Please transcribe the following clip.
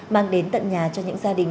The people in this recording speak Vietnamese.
mang đến tận nhà cho những gia đình